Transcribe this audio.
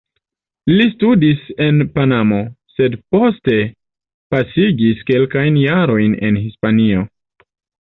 Li studis en Panamo, sed poste pasigis kelkajn jarojn en Hispanio.